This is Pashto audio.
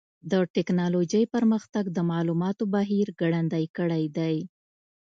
د ټکنالوجۍ پرمختګ د معلوماتو بهیر ګړندی کړی دی.